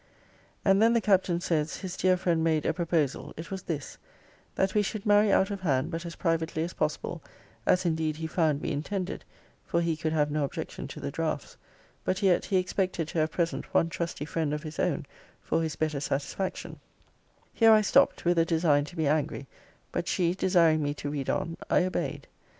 'And then the Captain says, his dear friend made a proposal: It was this That we should marry out of hand, but as privately as possible, as indeed he found we intended, (for he could have no objection to the draughts) but yet, he expected to have present one trusty friend of his own, for his better satisfaction' Here I stopt, with a design to be angry but she desiring me to read on, I obeyed.